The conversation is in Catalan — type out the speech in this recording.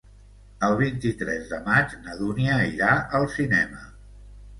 El vint-i-tres de maig na Dúnia irà al cinema.